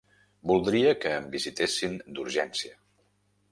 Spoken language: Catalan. Voldria que em visitessin d'urgència.